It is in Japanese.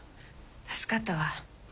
助かったわ。